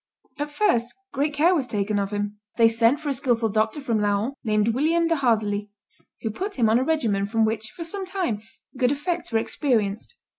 At first great care was taken of him. They sent for a skilful doctor from Laon, named William de Harsely, who put him on a regimen from which, for some time, good effects were experienced.